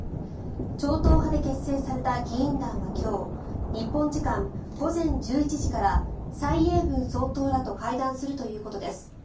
超党派で結成された議員団は今日、日本時間午前１１時から蔡英文総統らと会談するということです。